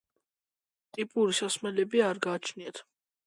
ტიპური სახამებელი არ გააჩნიათ.